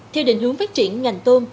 theo định hướng phát triển ngành tôm